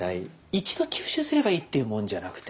一度吸収すればいいっていうもんじゃなくて。